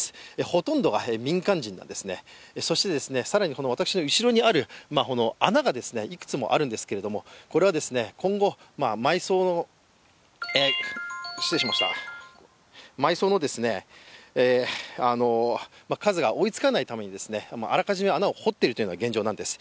ほとんどが民間人で更に、私の後ろにある穴がいくつもあるんですけども、これは今後、埋葬の数が追いつかないために、あらかじめ穴を掘っているのが現状です。